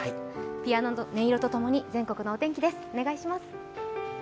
ピアノの音色とともに全国のお天気です。